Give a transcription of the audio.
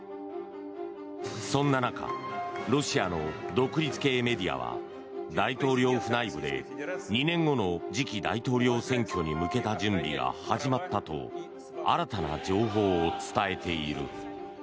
そんな中ロシアの独立系メディアは大統領府内部で２年後の次期大統領選挙に向けた準備が始まったと新たな情報を伝えている。